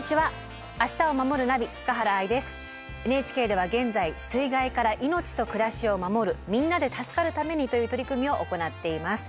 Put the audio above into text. ＮＨＫでは現在「水害から命と暮らしを守るみんなで助かるために」という取り組みを行っています。